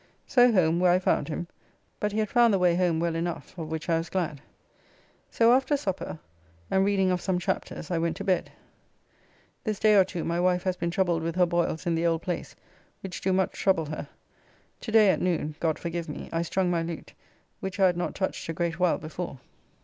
So home, where I found him, but he had found the way home well enough, of which I was glad. So after supper, and reading of some chapters, I went to bed. This day or two my wife has been troubled with her boils in the old place, which do much trouble her. Today at noon (God forgive me) I strung my lute, which I had not touched a great while before.